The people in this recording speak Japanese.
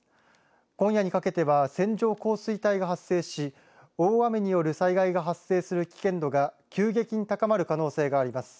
今夜にかけては線状降水帯が発生し大雨による災害が発生する危険度が急激に高まる可能性があります。